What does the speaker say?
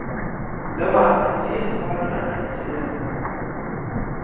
Demà en Gil vol anar al cinema.